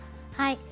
はい。